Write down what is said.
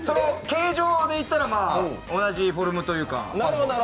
形状でいったら同じフォルムというか。